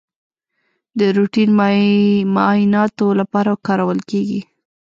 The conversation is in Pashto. د روټین معایناتو لپاره کارول کیږي.